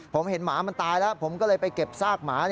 ผมเห็นหมามันตายแล้วผมก็เลยไปเก็บซากหมา